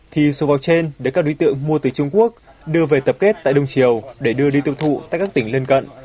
thì số pháo trên đã các đối tượng mua từ trung quốc đưa về tập kết tại đông triều để đưa đi tự thụ tại các tỉnh lên cận